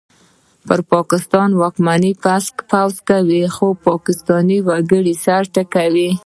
پر پاکستان واکمنې پوځي کړۍ څخه پاکستاني وګړي سر ټکوي!